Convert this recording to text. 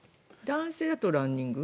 男性だとランニング？